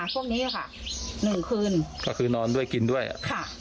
พวกนี้ค่ะหนึ่งคืนก็คือนอนด้วยกินด้วยอ่ะค่ะ